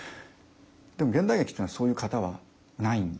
でも現代劇というのはそういう型はないんで。